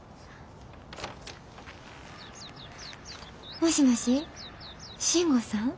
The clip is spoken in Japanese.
もしもし信吾さん？